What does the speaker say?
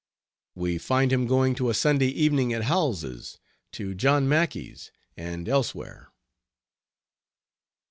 We find him going to a Sunday evening at Howells's, to John Mackay's, and elsewhere.